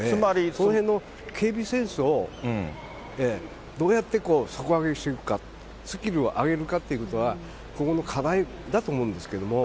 そのへんの警備センスをどうやって底上げしていくか、スキルを上げるかっていうのは、そこの課題だと思うんですけれども。